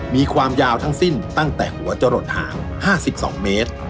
มีความยาวทั้งสิ้นตั้งแต่หัวจะหลดหาง๕๒เมตร